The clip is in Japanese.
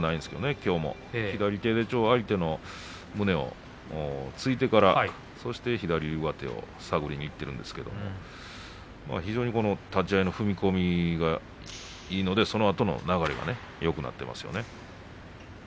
きょうも左手で相手の胸を突いてからそして、左上手を探りにいっているんですけれど非常に立ち合いの踏み込みがいいのでそのあとの流れがよくなっていますよね。